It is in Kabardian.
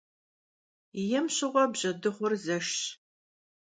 Yêm şığue bjedığur zeşşş.